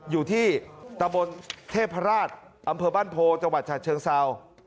อยู่ที่ตะบนเทพราชอำเภอบ้านโพจังหวัดฉะเชิงเศร้า